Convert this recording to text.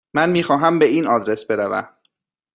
من میخواهم به این آدرس بروم.